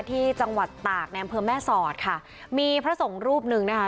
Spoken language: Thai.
ที่จังหวัดตากในอำเภอแม่สอดค่ะมีพระสงฆ์รูปหนึ่งนะคะ